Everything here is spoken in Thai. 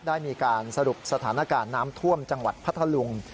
ได้มีการสรุปสถานการณ์น้ำท่วมจังหวัดพัทธลุง